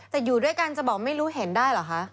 แต่อยู่ด้วยกันจะบอกไม่รู้เห็นได้เหรอคะ